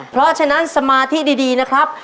เพราะฉะนั้นสมาธิดีนะครับ